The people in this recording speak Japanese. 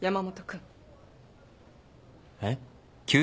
えっ？